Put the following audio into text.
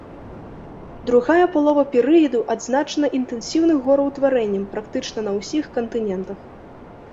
Другая палова перыяду адзначана інтэнсіўным гораўтварэннем практычна на ўсіх кантынентах.